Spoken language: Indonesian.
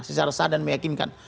secara sah dan meyakinkan